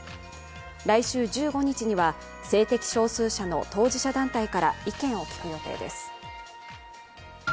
来週１５日には性的少数者の当事者団体から意見を聞く予定です。